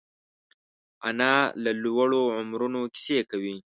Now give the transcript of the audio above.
انا له لوړو عمرونو کیسې کوي